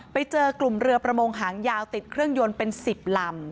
ไปเจอกลุ่มเรือประมงหางยาวติดเครื่องยนต์เป็น๑๐ลำ